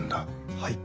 はい。